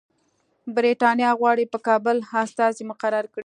برټانیه غواړي په کابل استازی مقرر کړي.